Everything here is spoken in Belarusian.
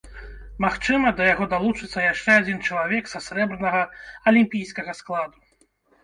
Магчыма, да яго далучыцца яшчэ адзін чалавек са срэбнага алімпійскага складу.